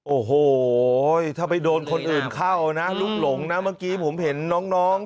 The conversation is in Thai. โอ้โหถ้าไปโดนคนอื่นเข้านะลุกหลงนะเมื่อกี้ผมเห็นน้อง